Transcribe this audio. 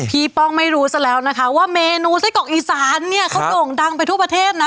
ป้องไม่รู้ซะแล้วนะคะว่าเมนูไส้กรอกอีสานเนี่ยเขาโด่งดังไปทั่วประเทศนะ